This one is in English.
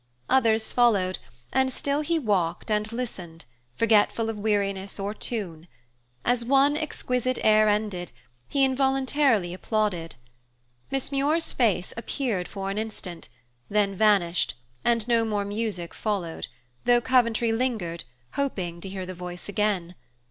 Others followed, and still he walked and listened, forgetful of weariness or tune. As one exquisite air ended, he involuntarily applauded. Miss Muir's face appeared for an instant, then vanished, and no more music followed, though Coventry lingered, hoping to hear the voice again.